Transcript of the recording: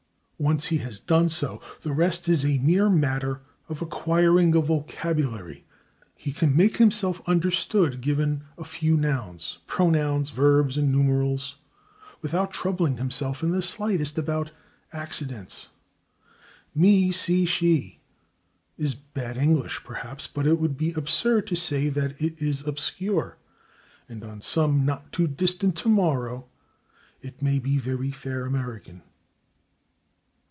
Once he has done so, the rest is a mere matter of acquiring a vocabulary. He can make himself understood, given a few nouns, pronouns, verbs and numerals, without troubling [Pg317] himself in the slightest about accidence. "Me see she" is bad English, perhaps, but it would be absurd to say that it is obscure and on some not too distant tomorrow it may be very fair American.